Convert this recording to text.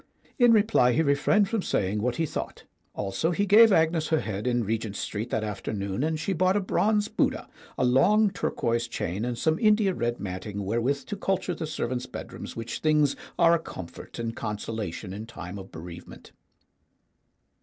In reply he refrained from saying what he thought. Also he gave Agnes her head in Regent Street that afternoon, and she bought a bronze Buddha, a long turquoise chain, and some India red matting wherewith to culture the servants' bedrooms which things are a comfort and consolation in time of bereavement.